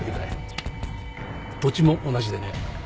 土地も同じでね。